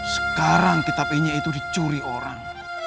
sekarang kitab ini itu dicuri orang